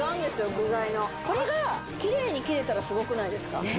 具材のこれがキレイに切れたらすごくないですか？